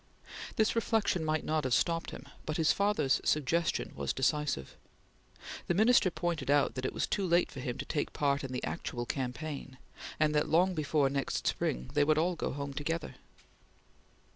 This reflection might not have stopped him, but his father's suggestion was decisive. The Minister pointed out that it was too late for him to take part in the actual campaign, and that long before next spring they would all go home together.